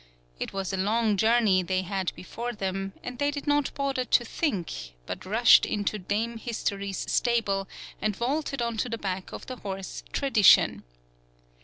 It was a long journey they had before them, and they did not bother to think, but rushed into Dame History's stable and vaulted on to the back of the horse Tradition.